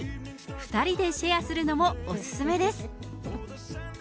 ２人でシェアするのもお勧めです。